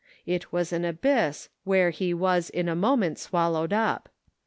It was an abyss where he was in a moment swallowed up.